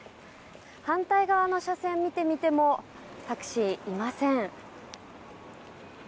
反対側の車線を見てもタクシー、いません。